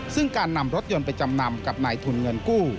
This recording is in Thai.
ซึ่งการนำรถยนต์ไปจำนำกับนายทุนเงินกู้